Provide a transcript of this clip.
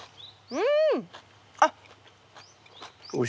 うん。